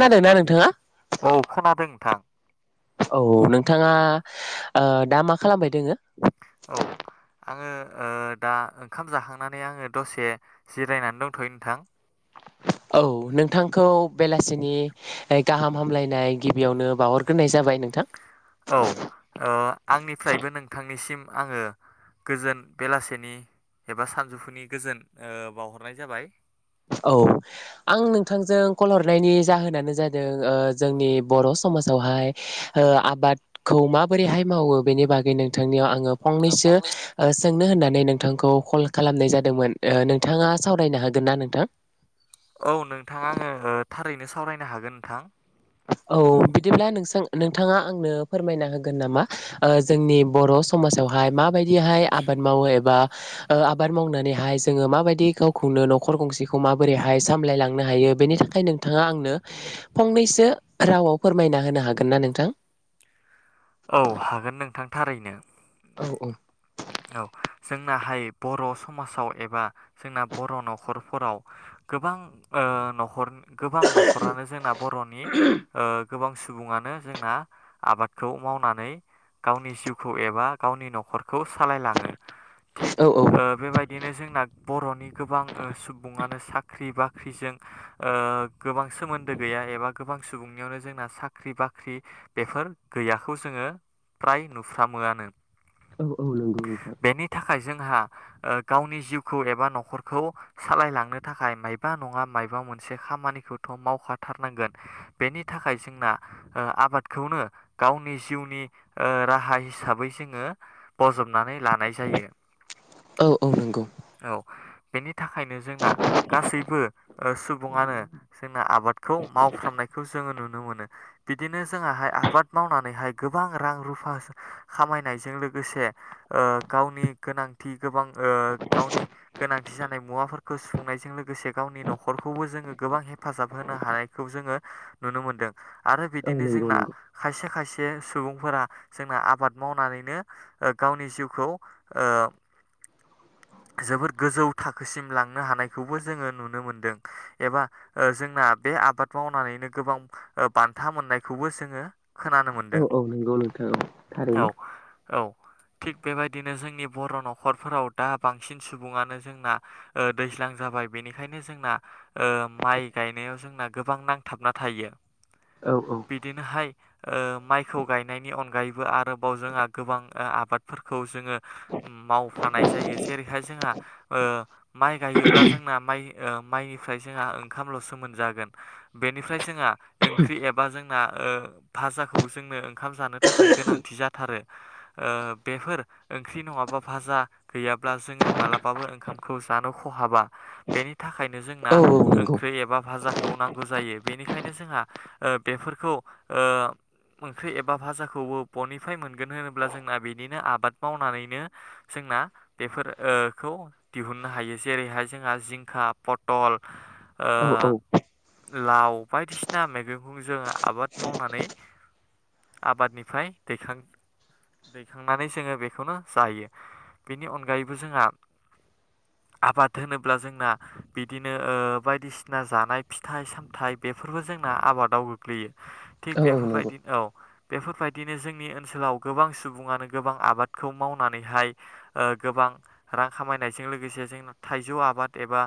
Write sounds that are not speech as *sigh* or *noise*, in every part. औ नोंथाङा औ खोनादों नोंथां औ नोंथाङा ओ दा मा खालामबाय दोङो औ आंङो ओ दा ओंखाम जाखांनानै आंङो दसे जिरायनानै दंथ'यो नोंथां *inaudible* औ नोंथांखौ बेलासिनि गाहाम हामलायनाय गिबियावनो बाउहरग्रोनाय जाबाय नोंथां औ ओ आंनिफ्रायबो नोंथांनिसिम आङो गोजोन बेलासेनि एबा सानजौफुनि गोजोन ओ बाउहरनाय जाबाय औ आं नोंथांजों कल हरनायनि जाहोनानो जादों ओ जोंनि बर' स समाजावहाय ओ आबादखौ माबोरैहाय मावो बेनि बागै नोंथांनियाव आं फंनैसो सोंनो होननानै नोंथांखौ कल खालामनाय जादोंमोन ओ नोंथाङा सावरायनो हागोन ना नोंथां औ नोंथाङा आंङो ओ थारैनो सावरायनो हागोन नोंथां औ बिदिब्ला नोंसां नोंथाङा आंनो फोरमायना होगोन नामा जोंनि बर' स समाजावहाय माबायदिहाय आबाद मावो एबा ओ आबाद मावनानैहाय जोंङो माबायदि गावखौनो नखर गंसेखौ माबोरैहाय सामलायलांनो हायो बेनि थाखाय नोंथाङा आंनो फंनैसो रावाव फोरमायना होनो हागोन ना नोंथां औ हागोन नोंथां थारैनो औ औ औ जोंनाहाय बर' समाजाव एबा जोंना बर' न'खरफोराव गोबां नखर गोबां न'खरानो जोंना बर'नि गोबां सुबुङानो जोंना आबादखौ मावनानै गावनि जिउखौ एबा गावनि न'खरखौ सालायलाङो। थिग औ बेबायदिनो जोंना बर'नि गोबां सुबुङानो साख्रि बाख्रिजोंओ गोबां सोमोन्दो गैया एबा गोबां सुबुंनियावनो जोंना साख्रि बाख्रि बाख्रि बेफोर गैयाखौ जोङो फ्राय नुफ्रामोआनो औ औ नंगौ नोंथां। बेनि थाखाय जोंहा ओ गावनि जिउखौ एबा न'खरखौ सालायलांनो थाखाय मायबा नङा माबबा मोनसे खामानिखौथ' मावखाथारनांगोन। बेनि थाखाय जोंना आबादखौनो गावनि जिउनि राहा हिसाबै जोङो बजबनानै लानाय जायो। औ औ औ नंगौ बेनि बेनि थाखायनो जोंना गासैबो सुबुङानो जोंना आबादखौ मावफ्रामनायखौ जोङो नुनो। नुनो मोनो। बिदिनो जोंहाय आबाद मावनानैहाय गोबां रां रुफा खामायनायजों लोगोसे गावनि गोनांथि गोबां गावनि गोनांथि जानाय मुवाफोरखौ सुफुंनाय। बे जजों लोगोसे गावनि न'खरखौबो जोङो गोबां हेफाजाब होनो हानायखौ जोङो नुनो मोन्दों। आरो औ बिदिनो नंगौ जोंना नंगौ खायसे खायसे से सुबुंफोरा जोंना आबाद मावनानैनो गावनि जिउखौ ओ जोबोद गोजौ थाखोसिम लांनो हानायखौबो जोङो नुनो मोनदों एबा जोंना द बे आबाद मावनानैनो गोबां बान्था मोननायखौबो जोङो खोनानो औ मोनदों। औ नंगौ नोंथां औ औ थारैनो औ। थिग बेबायदिनो जोंनि बर' न'खरफोराव दा बांसिन सुबङनो जोंना दैज्लां जाबाय बेनिखायनो जोंना माइ गाय गायनायाव जोंना गोबां नांथाबना थायो। औ औ बिदिनोहाय माइखौ गायनायनि अनगायै आरोबाव जोंहा गोबां आबादफोरखौ जोङो मावफानाय जायो जेरैहाय ओ जोंहा माइ गायोब्ला जोंना माइ माइनिफ्राय जोंहा ओंखामल'सो मोनजागोन। बेनिफ्राय जोंहा ओंख्रि ए जोंना भाजाखौ जोंनो ओंखाम जानो थाखाय गोनांथि जाथारो। बेफोर ओंख्रि नङाबा भाजा गैयाब्ला जोङो मालाबाबो ओंखामखौ जानो खहाबा। बेनि थाखायनो जोंना औ औ नंगौ ओंख्रि एबा भाजाखौ नांगौ जायो। बेनिखायनो जोंहा ओ बेफोरखौ ओ ओंख्रि एबा भाजाखौबो ब'निफ्राय मोनगोन होनोब्ला जोंना बिदिनो आबाद मावनानैनो जों जोंना बेफोरखौ दिहुननो हायो जेरैहाय जोंहा जिंखा, पटल ओ औ औ। लाव बायदिसिना मैगंखौ जोङ आबाद मावनानै आबादनिफ्राय दैखां दैखांनानै जोङो बेखौनो जायो। बेनि अनगायैबो जोंहा *inaudible* आबाद होनोब्ला जोंना बिदिनो बायदिसिना जानाय फिथाइ सामथाइ। बेफोरबो जों जोंना आबादाव गोग्लैयो। थिग औ औ नंगौ बेफोरबायदिनो औ। बेफोरबायदिनो जोंनि ओनसोलाव गोबां सुबुङानो गोबां आबादखौ मावनानैहाय गोबां रां खामायनायजों लोगोसे जोंना थाइजौ आबाद एबा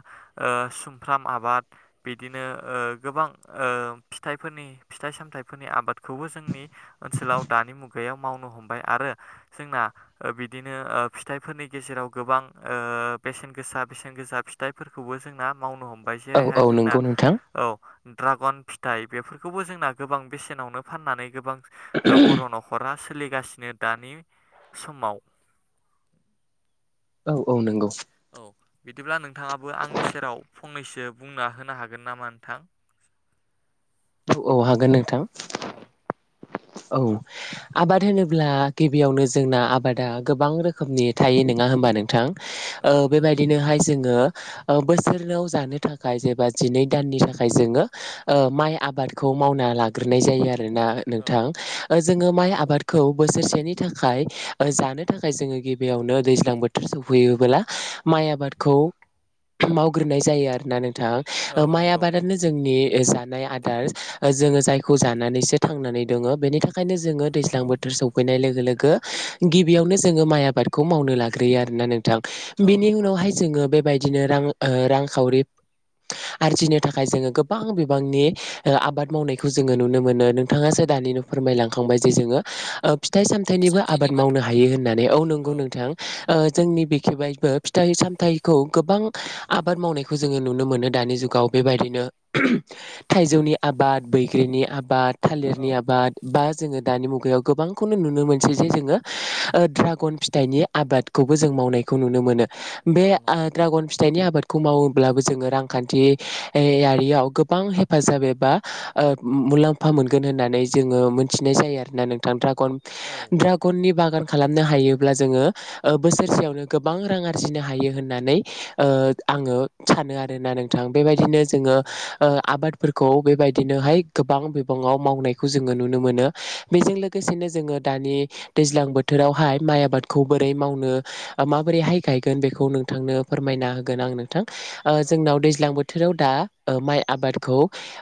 सुमफ्राम आबाद बिदिनो ओ गोबां ओ फिथाइफोरनि फिथाइ सामथाइफोरनि आबादखौबो जोंनि ओनसोलाव दानि मुगायाव मावनो हमबाय आरो। जोंना बिदिनो ओ फिथाइफोरनि गेजेराव गोबां ओ बेसेन गोसा बेसेन गोजा फिथाइफोरखौबो जोंना मावनो हमबाय औ जेरैहाय औ जोंना नंगौ नोंथां औ द्राग फि फिथाइ बेफोरखौबो जोंना गोबां बेसेनावनो फाननानै गोबां बर' न'खरा सोलिगासिनो दानि समाव। औ औ नोंगौ। औ बिदिब्ला नोंथाङाबो आंनि सेराव फंनैसो बुंना होनो हागोन नामा नोंथां। औ-औ हागोन नोंथां। औ। औ आबाद होनोब्ला गिबियावनो जोंना आबादा गोबां रोखोमनि थायो। नोङा होनबा नोंथां ओ औ नंगौ बेबायदिनो हास। जोङो ओ बोसोराव जानो थाखाय जेबा जिनै दाननि थाखाय जोङो ओ माइ आ आबादखौ मावना लाग्रोनाय जायो आरोना औ नोंथां ओ जो जोङो माइ आबादखौ बोसोरसेनि थाखाय ओ जानो थाखाय जोङो गिबियावनो दैज्लां बोथोर सौफै फैयोबोला माइ आबादखौ मावग्रोनाय जायो आरोना नों थां औ ओ माइ नंगौ आबादानो जोंनि ओ जा नाय आदार ओ जोङो जायखौ जानानैसो थांनानै दङ बेनि थाखायनो जोङो दैज्लां बोथोर सफैनाय लोगो लोगो गिबियावनो जोङो माइ आबादखौ मावनो। नो लाग्रोयो आरोना नोंथां औ बेनि नंगौ उनावहाय जोङो बेबायदिनो रां ओ रांखावरि। आरजिनो थाखाय जोङो गोबां बिबांनि ओ आबाद मावनायखौ जोङो नुनो मोनो नोथाङासो। दानिनो फोरमायलांखांबाय जे जोङो ओ फिथाइ सामथाइनिबो आबाद मावनो हायो होननानै औ नंगौ नोंथां ओ। जोंनि बेखेवबायबो फिथाइ सामथायाइखौ गोबां आबाद मावनायखौ जोङो नुनो मोनो दानि जुगाव। बेबायदिनो थाइजौनि आबाद बैग्रिनि आबाद औ थालिरनि आब बाद बा जोङो दानि मुगायाव गोबांखौनो नुनो मोनसै जे जोङो ओ द्रागन फिथायनि आबाद। बादखौबो जों मावनायखौ नुनो मोनो बे औ आ नंगौ ड्रागन फिथाइनि आबाद। खौ मावोब्लाबो जोङो रांखान्थि एयारियाव गोबां हेफाजाब एबा ओ मुलाम्फा मोनगोन होननानै जोङो मिथिनाय जायो आरोना नोंथां ड्रागन औ ड्रागननि बागान। खालामनो हायोब्ला जोङो ओ बोसोरसेयावनो गोबां रां आरजिनो हायो होननानै ओ। आङो सानो आरोना नोंथां बेबायदिनो जों। दोंङो औ ओ आबादफोरखौ बेबायदिनोहाय गोबां बिबाङाव मावनाय। खौ जोङो नुनो मोनो बेजों लोगोसेनो जोङो दानि दैज्लां बोथोरावहाय माइ आबादखौबो। बोरै मावनो आ माबोरैहाय गायगोन बेखौ नोंथांनो फोरमायना होगोन आं नोंथां। ओ औ जोंनाव दैज्लां बोथोराव। दा ओ माइ आबादखौ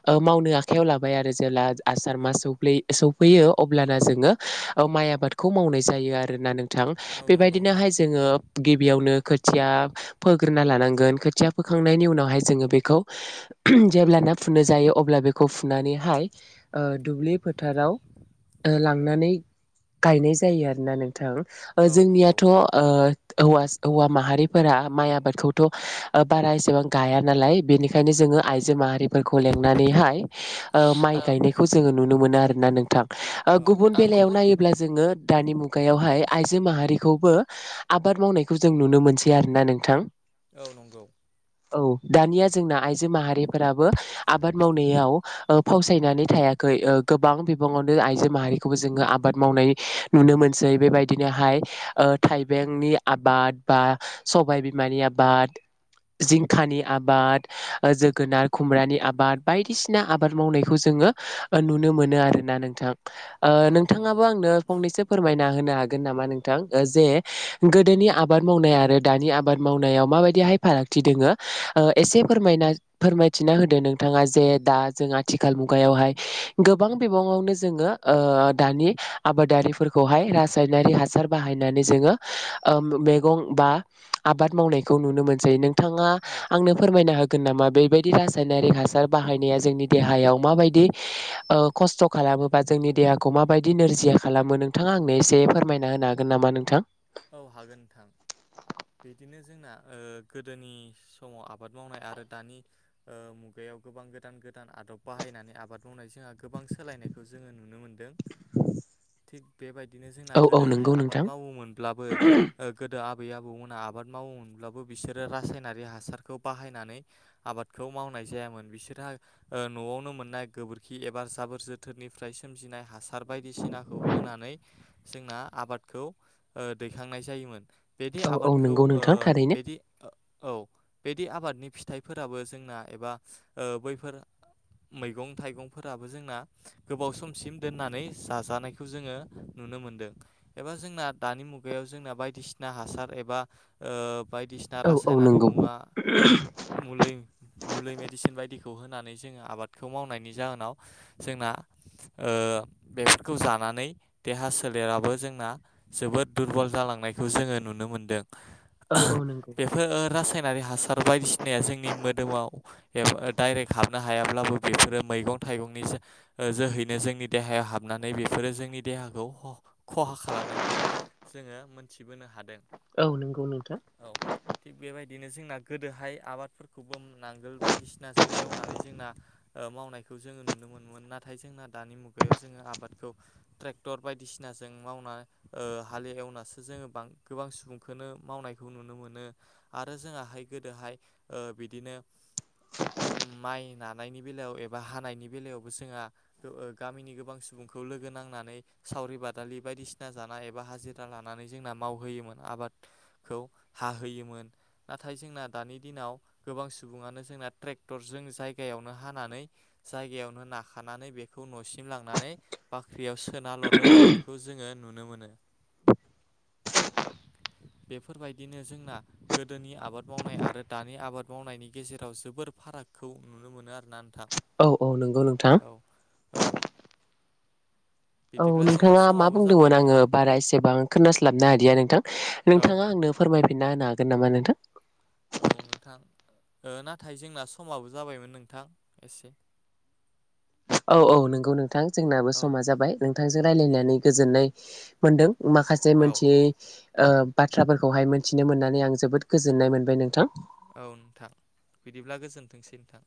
ओ मावनो आखायाव लाबाय आरो जेब्ला आस थारमास सौफ्ले सौफैयो अब्लाना जोङो ओ माइ आबादखौ मावनाय जायो आरोना नों थां औ नंगौ नोंथां बेबायदिनोहाय जोङो गिबियावनो खो थिया फोग्रोना लानांगोन खोथिया फोखांनायनि उनावहाय जोङो बेखौ जेब्लाना। फुनो जायो अब्ला बेखौ फुनानैहाय। ओ दुब्लि फोथाराव ओ लांनानै गायनाय जायो आरोना नों थां औ नंगौ जोंनियाथ' ओ। औवास हौवा माहारिफोरा माइ आबादखौथ' ओ बारा एसेबां गायानालाय बेनिखायनो जों। ङो आइजो माहारिफोरखौ लेंनानैहाय ओ औ माइ गायनाय। नुनो मोनो आरोना नोंथां ओ औ गुबुन बेलायाव नायोब्ला जोङो। दानि मुगायावहाय आइजो माहारिखौबो आबाद मावनायखौ जों नुनो मोनसै आरोना नोंथां। औ नंगौ। औ दानिया जोंना आइजो माहारिफोराबो आबाद मावनायाव ओ फावसायनानै। थायाखै ओ गोबां बिबाङावनो आइजो माहारिखौबो जोङो आबाद मावनाय नुनो मोनसै बेबायदिनो। हाय ओ थाइबेंनि आबाद बा सबायबिमानि आबाद। जिंखानि आबाद जोगोनार खुमब्रानि आबाद बायदिसिना आबाद मावनायखौ जोङो। ओ नुनो मोनो आरोना नोंथां आ औ नंगौ नोंथाङाबो आंनो फंनैसो फोरमायना होनो हा। गोन नामा नोंथां ओ जे गोदोनि आबाद मावनाय आरो दानि आबाद मावनायाव माबायदिहाय फाराग। थि दोङो ओ एसे फोरमायना फोरमायथिना होदो नोंथाङा जे दा जों आथिखाल मुगायावहाय। गोबां बिबाङावनो जोङो ओ दानि आबादारिफोरखौहाय रासायनारि हास। बाहायनानै जोङो ओम मैगं बा आबाद मावनायखौ नुनो मोनसै नों बिथाङा औ आंनो फोरमायनो हागोन हागोन नामा बेबायदि रासायनारिक हासार बाहायनाया जोंनि देहायाव माबायदि *unintelligible* ओ खस्थ' खालामोबा जोंनि देहाखौ माबायदि नोरजिया खालामो नोंथाङा आंनो एसे फोरमायना होनो हागोन नामा नोंथां औ हागोन नोंथां बिदिनो जोंना ओ गोदोनि समाव आबाद मावनाय आरो दानि ओ मुगायाव याव गोबां गोदान-गोदान आदब बाहायनानै आबाद मावनाय जोंहा गोबां सोलायनायखौ जोङो नुनो मोनदों। थिग बेबायदिनो जोंना औ औ गोदोहाय नंगौ आबाद नोंथां मावोमोनब्लाबो गो ओ आबै आबौमोना आबाद मावोमोनब्लाबो बिसोरो रासायनारि हासारखौ बाहायनानै आबादखौ मावनाय जायामोन बिसोरहात ओ न'आवनो मोननाय गोबोरखि एबा जाबोर जोथोरनिफ्राय सोमजिनाय हासार बायदिसिनाखौ होनानै जोंना आबादखौ ओ दैखांनाय जायोमोन। बेदि औ औ आबादखौ नंगौ नोंथां ओ थारैनो बेदि औ बिदि आबादनि फिथाइफोराबो जोंना एबा ओ बैफोर मैगं थाइगंफोराबो जोंना गोबाव समसिम दोननानै जाजानायखौ जोङो नु नुनो मोनदों एबा जोंना दानि मुगायाव जोंना बायदिसिना हासार एबा ओ बायदिसिना औ औ रासायनारि नंगौ मुवा मुलै मुलै मेदिसिन बायदिखौ होन होननानै जोङो आबादखौ मावनायनि जाहोनाव जोंना ओ बेफोरखौ जानानै देहा सोलेराबो जोंना जोबोद दुरबल जालांनायखौ जोङो नुनो मोनदों औ ओह औ नंगौ बेफोर रासायन नारि हासार बायदिसिनाया जोंनि मोदोमाव याव डाइरेक्ट हाबनो हायाब्लाबो बेफोरो मैगं थाइगंनि जो जोहैनो जोंनि देहायाव हाबन नानै बेफोरो जोंनि देहाखौ ख खहा खालाम जोङो मोनथिबोनो हादों औ नंगौ नोंथां औ थिग बेबायदि बिदिनो जोंना गोदोहाय आबादफोरखौबो नांगोल बायदिसिनाजों एवनानै जोंना ओ मावनायखौ खौ जोङो नुनो मोनो मोन नाथाय जोंना दानि मुगायाव जोङो आबादखौ ट्रेक्टर बायदिसिनाजों मावना ओ हालि हेवनासो जोङो बां गोबां सुबुंखौनो मावनायखौ नुनो मोनो आरो जोङाहाय गोदोहाय ओ बिदिनो उम माइ नानायनि बेलायाव एबा हानायनि बेलायावबो जोंहा ओ गामिनि गोबां सुबुं खौ लोगो नांनानै सावरि बादालि बायदिसिना सिना जानाया एबा हाजिरा लानानै जोंना मावहोयोमोन आबादखौ हाहोयोमोन न नाथाय जोंना दानि दिनाव गोबां सुबुङानो जोंना ट्रेक्टर जों जायगायावनो हानानै जा जायगायावनो नाखानानै बेखौ न'सिम लांनानै बाख्रियाव सोनाल' दोनहैनायखौ जोङो नुनो मोनो बेफोरबायदिनो जोंना गोदोनि आबाद मावनाय आरो दानि आबाद मावनायनि गेजेराव जोबोर फारागखौ नुनो मोनो आरोना नोंथा। औ औ नोंगौ नोंथां औ औ बिदिब्ला जोंना नोंथाङा मा समाबो जाबाय बुंदोंमोन आं नोंथां आङो बारा एसेबां खोनास्लाबनो हादिया नोंथां औ नोंथाङा आंनो फोरमायफिनना होनो हागोन नामा नोंथां औ नोंथां ओ नाथाय जोंना समाबो जाबायमोन नोंथां एसे *unintelligible* औ औ नोंगौ नोंथां जोंनाबो औ समा जाबाय नोंथांजों रायलायनानै गोजोननाय मोन्दों। माखासे औ मोनथियै ओ बाथ्राफोरखौहाय मिथिनो मोननानै आं जोबोद गोजोननाय मोनबाय नोंथां औ नोंथां बिदिब्ला गोजोनथोंसै नोंथां।